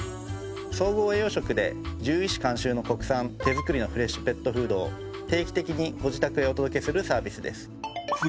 総合栄養食で獣医師監修の国産手作りのフレッシュペットフードを定期的にご自宅へお届けするサービスです。